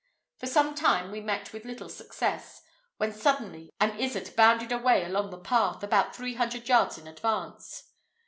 For some time we met with little success, when suddenly an izzard bounded away along the path, about three hundred yards in advance.